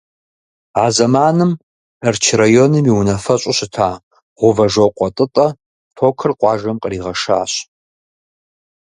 А зэманым Тэрч районым и унафэщӀу щыта Гувэжокъуэ ТӀытӀэ токыр къуажэм къригъэшащ.